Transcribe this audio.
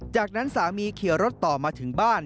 จากนั้นสามีเขียวรถต่อมาถึงบ้าน